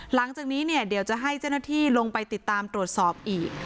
หลังจากนี้เนี่ยเดี๋ยวจะให้เจ้าหน้าที่ลงไปติดตามตรวจสอบอีก